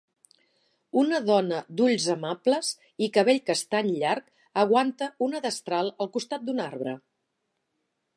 Una dona d'ulls amables i cabell castany llarg aguanta una destral al costat d'un arbre.